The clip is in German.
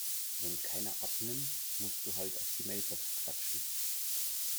Wenn keiner abnimmt, musst du halt auf die Mailbox quatschen.